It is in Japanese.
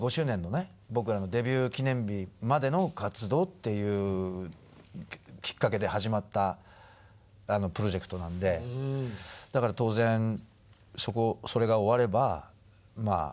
僕らのデビュー記念日までの活動っていうきっかけで始まったプロジェクトなんでだから当然それが終われば幕を閉じるっていう形で。